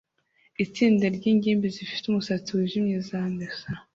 Itsinda ryingimbi zifite umusatsi wijimye zamesa